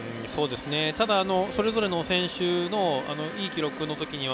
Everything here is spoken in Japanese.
ただ、それぞれの選手のいい記録の時には。